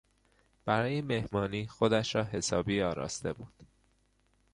برای مهمانی خودش را حسابی آراسته بود.